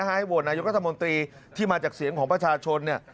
ให้วงยกธมตรีที่มาจากเสียงของประชาชน